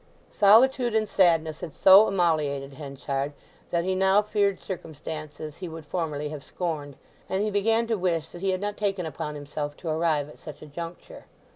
Solitude and sadness had so emolliated Henchard that he now feared circumstances he would formerly have scorned, and he began to wish that he had not taken upon himself to arrive at such a juncture.